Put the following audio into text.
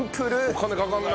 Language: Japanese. お金かからない！